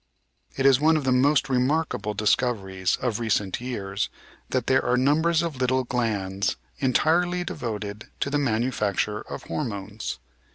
It is one of the most remarkable discoveries of recent years, that there are numbers of little glands entirely devoted to the manufacture of hormones.